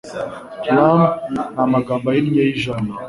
Pram ni Amagambo ahinnye y'Ijambo